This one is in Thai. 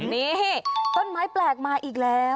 นี่ต้นไม้แปลกมาอีกแล้ว